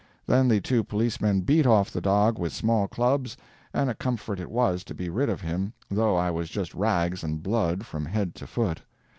Then the two policemen beat off the dog with small clubs, and a comfort it was to be rid of him, though I was just rags and blood from head to foot.